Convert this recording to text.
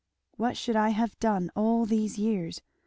"What should I have done all these years?